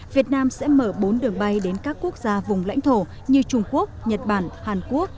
việt nam sẽ mở bốn đường bay đến các quốc gia vùng lãnh thổ như trung quốc nhật bản hàn quốc